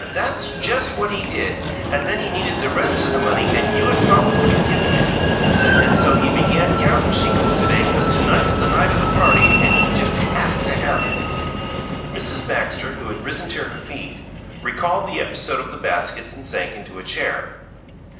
That's just what he did! An' then he needed the rest o' the money an' you an' papa wouldn't give him any, an' so he began countin' shingles to day 'cause to night's the night of the party an' he just HASS to have it!" Mrs. Baxter, who had risen to her feet, recalled the episode of the baskets and sank into a chair.